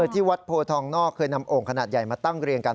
ที่วัดโพทองนอกเคยนำโอ่งขนาดใหญ่มาตั้งเรียงกัน